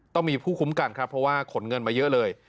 ต้องมีผู้คุ้มกันครับเพราะว่าขนเงินมาเยอะเลย